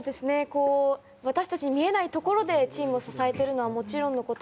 私たちの見えないところでチームを支えているのはもちろんのこと